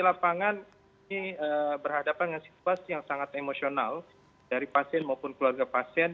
lapangan ini berhadapan dengan situasi yang sangat emosional dari pasien maupun keluarga pasien